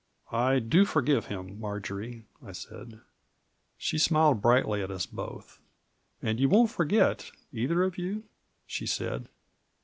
" I do forgive him, Marjory," I said. She smiled brightly at us both. "And you won't forget, either of you?" she said.